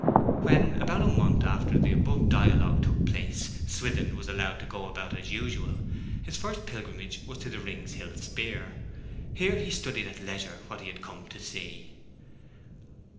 When, about a month after the above dialogue took place, Swithin was allowed to go about as usual, his first pilgrimage was to the Rings Hill Speer. Here he studied at leisure what he had come to see.